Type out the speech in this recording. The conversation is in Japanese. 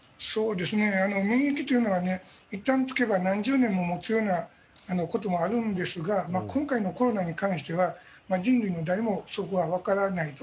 免疫というのはいったんつけば何十年も持つようなこともあるんですが今回のコロナに関しては人類の誰もそこは分からないと。